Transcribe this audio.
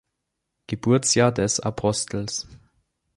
Geburtsjahr des Apostels.